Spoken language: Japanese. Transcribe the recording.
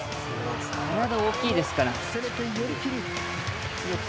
体が大きいですから。